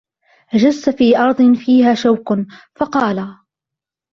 أَجَزْتَ فِي أَرْضٍ فِيهَا شَوْكٌ ؟ فَقَالَ